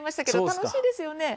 楽しいですね。